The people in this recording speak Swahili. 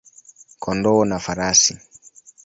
kondoo na farasi.